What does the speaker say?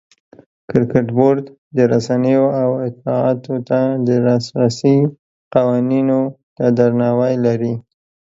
کرکټ بورډ د رسنیو او اطلاعاتو ته د لاسرسي قوانینو ته درناوی لري.